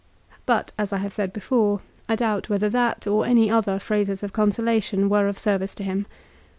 But, as I have said before, I doubt whether that or any other phrases of consolation were of service to him.